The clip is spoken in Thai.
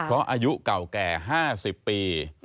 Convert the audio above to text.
เพราะอายุเก่าแก่๕๐ปี